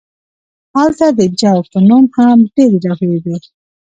هلته د جو په نوم هم ډیرې لوحې وې